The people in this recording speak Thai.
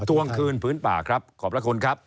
ทวงคืนผืนป่าครับขอบพระคุณครับ